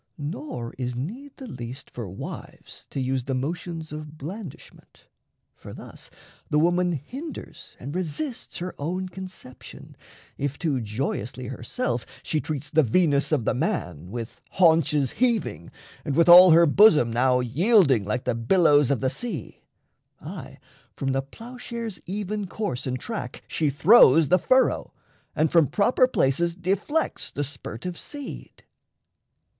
Nor is need the least For wives to use the motions of blandishment; For thus the woman hinders and resists Her own conception, if too joyously Herself she treats the Venus of the man With haunches heaving, and with all her bosom Now yielding like the billows of the sea Aye, from the ploughshare's even course and track She throws the furrow, and from proper places Deflects the spurt of seed.